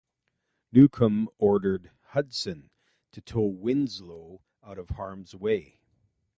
Newcomb ordered "Hudson" to tow "Winslow" out of harms way.